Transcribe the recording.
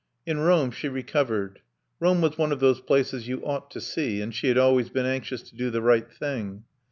In Rome she recovered. Rome was one of those places you ought to see; she had always been anxious to do the right thing.